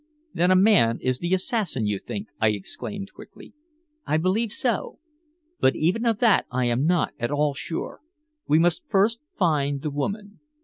"Then a man is the assassin, you think?" I exclaimed quickly. "I believe so. But even of that I am not at all sure. We must first find the woman."